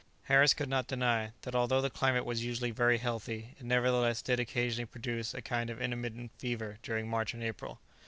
Harris could not deny that although the climate was usually very healthy, it nevertheless did occasionally produce a kind of intermittent fever during March and April.